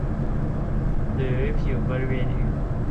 หรือผิวบริเวณอื่น